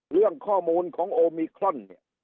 เรื่องข้อมูลของโอมิคลอน